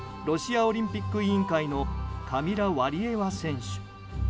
ロシアオリンピック委員会のカミラ・ワリエワ選手。